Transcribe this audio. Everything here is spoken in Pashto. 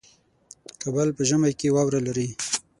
کابل په ژمي کې واوره لري